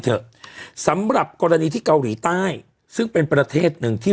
เถอะสำหรับกรณีที่เกาหลีใต้ซึ่งเป็นประเทศหนึ่งที่